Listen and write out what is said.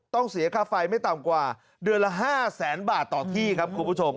ต้องเสียค่าไฟไม่ต่ำกว่าเดือนละ๕๐๐๐๐๐บาทต่อที่ครับ